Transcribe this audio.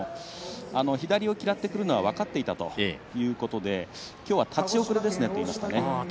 左を嫌っていくのが分かっていたということで今日は立ち遅れですねと言っていました。